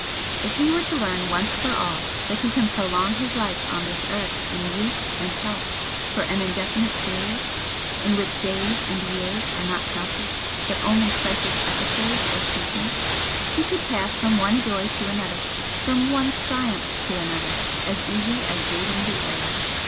If he were to learn once for all that he can prolong his life on this earth in youth and health for an indefinite period, in which days and years are not counted, but only psychic 'episodes' or seasons, he could pass from one joy to another, from one triumph to another, as easily as breathing the air.